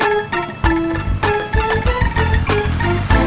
ada informasi lain